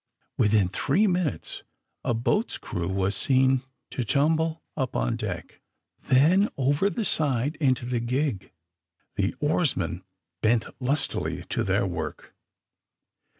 Within three minutes a boat's crew was seen to tumble up on deck, then over the side into the gig. The oarsmen bent lustily to their work.